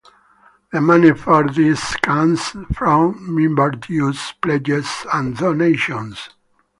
The money for this comes from member dues, pledges, and donations.